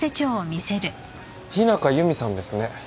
日中弓さんですね。